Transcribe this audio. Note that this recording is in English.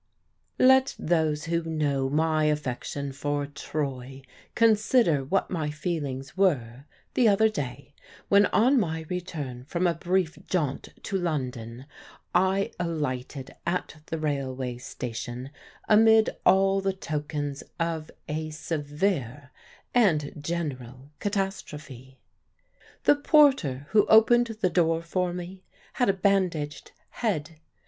Let those who know my affection for Troy consider what my feelings were, the other day, when on my return from a brief jaunt to London I alighted at the railway station amid all the tokens of a severe and general catastrophe. The porter who opened the door for me had a bandaged head.